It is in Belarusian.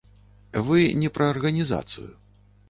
Вы не пра арганізацыю.